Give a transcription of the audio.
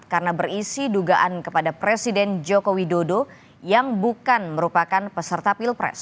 karena berisi dugaan kepada presiden joko widodo yang bukan merupakan peserta pilpres